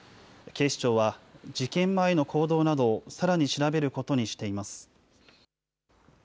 警視庁は、事件前の行動などをさらに調べることにしています。